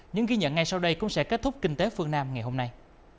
những ghi nhận ngay sau đây cũng sẽ kết thúc kinh tế phương nam ngày hôm nay